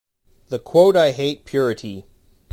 The quote I hate purity.